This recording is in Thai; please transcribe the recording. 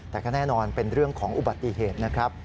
แต่ก็แน่นอนเป็นเรื่องของอุบัติเหตุนะครับ